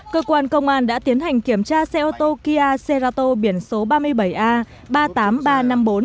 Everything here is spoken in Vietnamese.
cơ quan công an đã tiến hành kiểm tra xe ô tô kia xe rato biển số ba mươi bảy a ba mươi tám nghìn ba trăm năm mươi bốn